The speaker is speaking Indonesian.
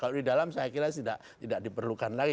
kalau di dalam saya kira tidak diperlukan lagi